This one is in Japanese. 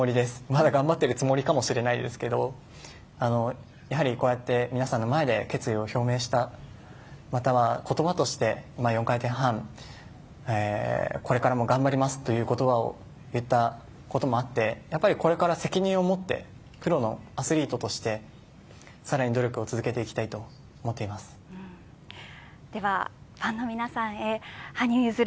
まだ頑張っているつもりかもしれませんけどやはりこうやって皆さんの前で決意を表明したまたは、言葉として４回転半これからも頑張りますという言葉を言ったということもあってこれから責任を持ってプロのアスリートとしてさらに努力を続けていきたいとではファンの皆さんへ羽生結弦